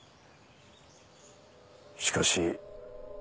しかし。